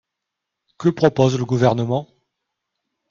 Que propose le Gouvernement?